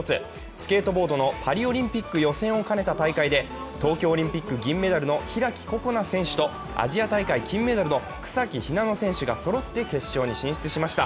スケートボードのパリオリンピック予選を兼ねた大会で東京オリンピック銀メダルの開心那選手とアジア大会金メダルの草木ひなの選手がそろって決勝に進出しました。